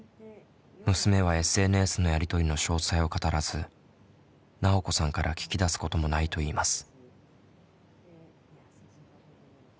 娘はＳＮＳのやり取りの詳細を語らずなおこさんから聞き出すこともないといいます。